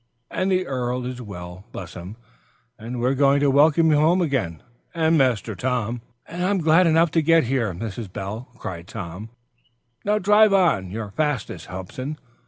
"And the earl is well, bless him! and we are glad to welcome you home again, and Master Tom." "And I'm glad enough to get here, Mrs. Bell," cried Tom. "Now drive on at your fastest, Hobson."